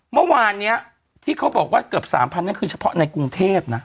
เมื่อวานนี้ที่เขาบอกว่าเกือบ๓๐๐นั่นคือเฉพาะในกรุงเทพนะ